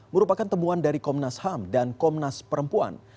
merupakan temuan dari komnas ham dan komnas perempuan